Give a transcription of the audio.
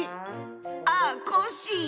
ああコッシー。